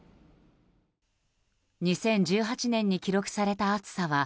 ２０１８年に記録された暑さは